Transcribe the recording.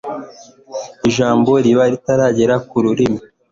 ijambo riba ritarangera ku rurimi